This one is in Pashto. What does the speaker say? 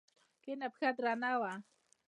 کيڼه پښه درنه وه.